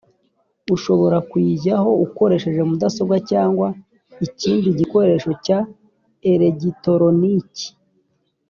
ushobora kuyijyaho ukoresheje mudasobwa cyangwa ikindi gikoresho cya eregitoroniki